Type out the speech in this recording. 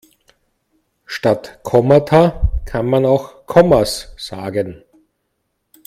Statt Kommata kann man auch Kommas sagen.